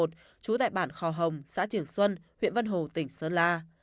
trú tại bản khò hồng xã trường xuân huyện vân hồ tỉnh sơn la